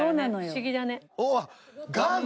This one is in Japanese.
不思議だね。